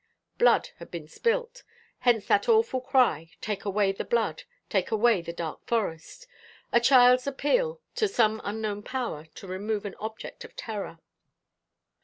Blood had been spilt. Hence that awful cry, "Take away the blood, take away the dark forest!" a child's appeal to some unknown power to remove an object of terror.